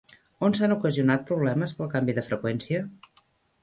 On s'han ocasionat problemes pel canvi de freqüència?